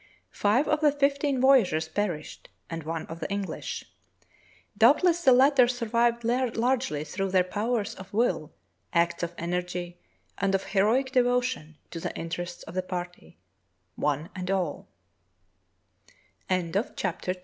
Five of the fifteen voyageurs perished and one of the English. Doubt less the latter survived largely through their powers of will, acts of energy and of heroic devotion to the in terests of the